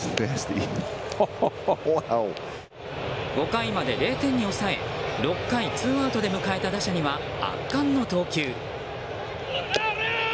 ５回まで０点に抑え６回ツーアウトで迎えた打者には圧巻の投球。